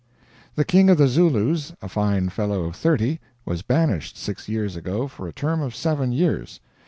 The King of the Zulus, a fine fellow of 30, was banished six years ago for a term of seven years.